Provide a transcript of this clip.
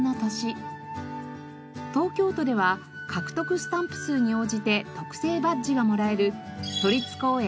東京都では獲得スタンプ数に応じて特製バッジがもらえる都立公園